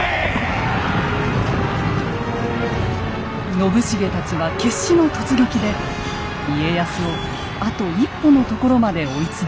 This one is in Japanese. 信繁たちは決死の突撃で家康をあと一歩のところまで追い詰めます。